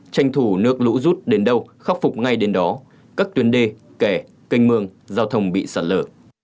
tranh thủ nước lũ rút đến đâu khắc phục ngay đến đó các tuyến đê kè canh mương giao thông bị sạt lở